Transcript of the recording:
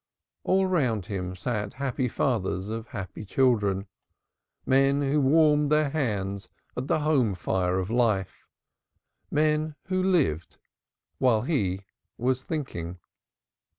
All round him sat happy fathers of happy children, men who warmed their hands at the home fire of life, men who lived while he was thinking.